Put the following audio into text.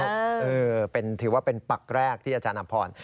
ถือว่าเป็นปักแรกที่อาจารย์อำพร